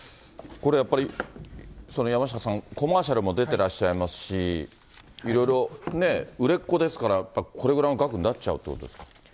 これやっぱり、山下さん、コマーシャルも出てらっしゃいますし、いろいろね、売れっ子ですから、やっぱこれぐらいの額になっちゃうってことですか？